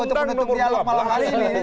untuk menutup dialog malam hari ini